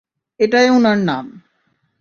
এটাই উনার নাম।